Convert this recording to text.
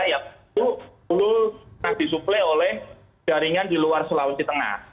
yaitu dulu disuple oleh jaringan di luar sulawesi tengah